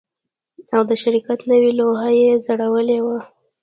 او د شرکت نوې لوحه یې ځړولې وه